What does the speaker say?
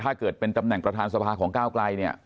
ถ้าเกิดเป็นตำแหน่งประธานสภาของก้าวไกลเนี่ย